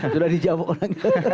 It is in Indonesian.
sudah dijawab orangnya